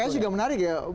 tapi pks juga menarik ya